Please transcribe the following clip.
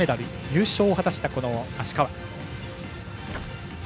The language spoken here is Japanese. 優勝を果たした芦川。